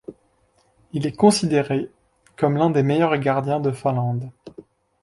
Il est considéré comme l'un des meilleurs gardiens de Finlande.